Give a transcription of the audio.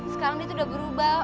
sekarang dia tuh udah berubah